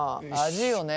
味よね